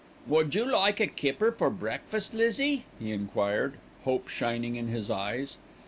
"Would you like a kipper for breakfast, Lizzie?" he enquired, hope shining in his eyes.